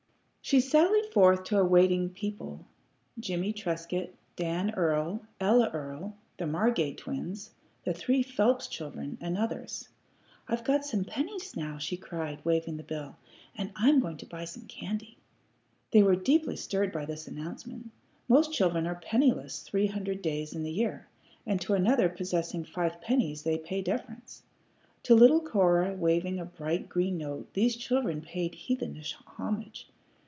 She sallied forth to a waiting people Jimmie Trescott, Dan Earl, Ella Earl, the Margate twins, the three Phelps children, and others. "I've got some pennies now," she cried, waving the bill, "and I am going to buy some candy." They were deeply stirred by this announcement. Most children are penniless three hundred days in the year, and to another possessing five pennies they pay deference. To little Cora waving a bright green note these children paid heathenish homage.